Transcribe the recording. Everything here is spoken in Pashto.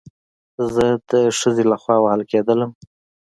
زه د خځې له خوا وهل کېدلم